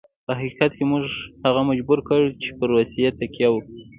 په حقیقت کې موږ هغه مجبور کړ چې پر روسیې تکیه وکړي.